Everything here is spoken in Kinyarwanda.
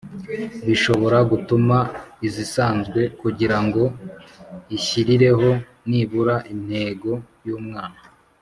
bishobora gutuma izisanzwe kugira ngo Ishyirireho nibura intego y umwaka